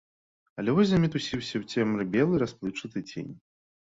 Але вось замітусіўся ў цемры белы расплыўчаты цень.